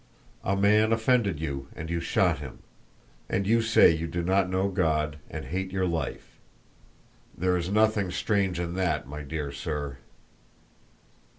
A man offended you and you shot him, and you say you do not know God and hate your life. There is nothing strange in that, my dear sir!"